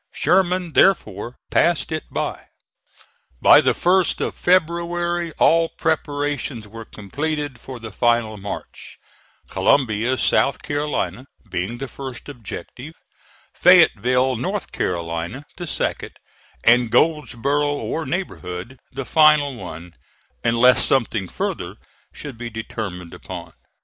Sherman therefore passed it by. By the first of February all preparations were completed for the final march, Columbia, South Carolina, being the first objective; Fayetteville, North Carolina, the second; and Goldsboro, or neighborhood, the final one, unless something further should be determined upon.